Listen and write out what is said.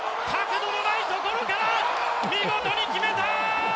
角度のないところから見事に決めた！